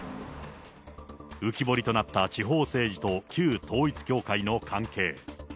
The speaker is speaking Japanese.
浮き彫りとなった地方政治と旧統一教会の関係。